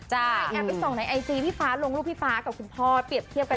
ใช่แอบไปส่องในไอจีพี่ฟ้าลงรูปพี่ฟ้ากับคุณพ่อเปรียบเทียบกัน